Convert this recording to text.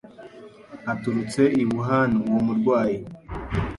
aturutse i Wuhan uwo murwayi